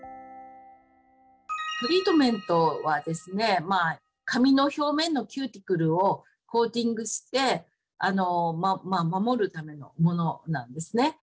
トリートメントはですねまあ髪の表面のキューティクルをコーティングして守るためのものなんですね。